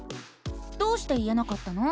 どうして言えなかったの？